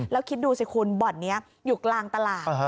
แล้วคิดดูสิคุณบ่อนนี้อยู่กลางตลาด